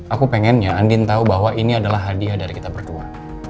aku pengennya andin tahu bahwa ini adalah hadiah dari kita berdua